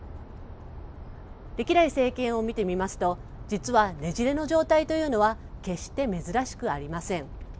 歴代政権を見てみますと実は、ねじれの状態というのは決して珍しくありません。